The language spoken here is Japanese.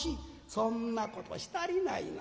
「そんなことしたりないな。